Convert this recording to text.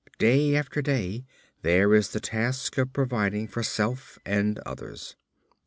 Day after day there is the task of providing for self and others.